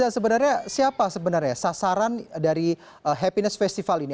sebenarnya siapa sebenarnya sasaran dari happiness festival ini